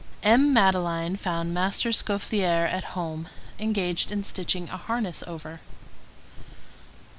M. Madeleine found Master Scaufflaire at home, engaged in stitching a harness over.